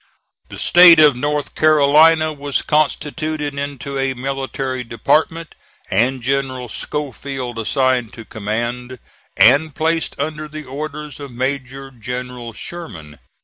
The State of North Carolina was constituted into a military department, and General Schofield assigned to command, and placed under the orders of Major General Sherman.